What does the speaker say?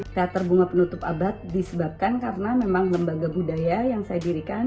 teater bunga penutup abad disebabkan karena memang lembaga budaya yang saya dirikan